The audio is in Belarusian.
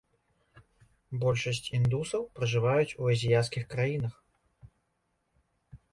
Большасць індусаў пражываюць у азіяцкіх краінах.